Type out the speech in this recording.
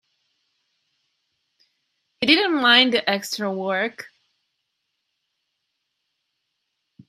He didn't mind the extra work.